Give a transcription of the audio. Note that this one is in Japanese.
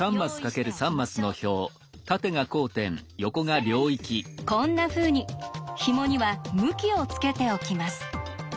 更にこんなふうにひもには向きをつけておきます。